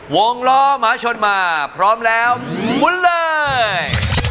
วงล้อหมาชนมาพร้อมแล้วมุนเลย